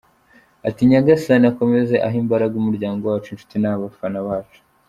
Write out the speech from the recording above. Ati "Nyagasani akomeze ahe imbaraga umuryango wacu, inshuti n’abafana bacu.